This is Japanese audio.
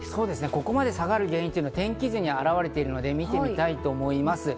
ここまで下がる原因が天気図に表れているので、見ていきたいと思います。